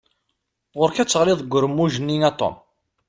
Ɣur-k ad teɣliḍ deg urmuj-nni a Tom!